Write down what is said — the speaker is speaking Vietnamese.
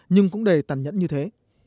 nhưng cũng đầy tàn nhẫn như thế